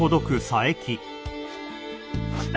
待った！